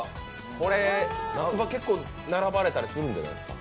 これ、夏場、結構並ばれたりするんじゃないですか？